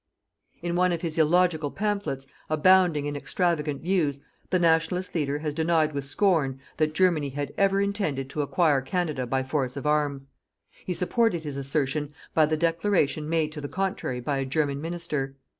In one of his illogical pamphlets, abounding in extravagant views, the Nationalist leader has denied with scorn that Germany had ever intended to acquire Canada by force of arms. He supported his assertion by the declaration made to the contrary by a German Minister.